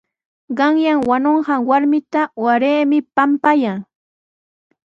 Qanyan wañunqan warmita waraymi pampayanqa.